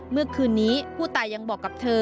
เมื่อคืนนี้ผู้ตายยังบอกกับเธอ